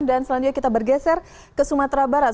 dan selanjutnya kita bergeser ke sumatera barat